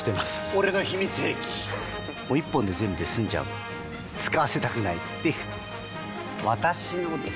俺の秘密兵器１本で全部済んじゃう使わせたくないっていう私のです！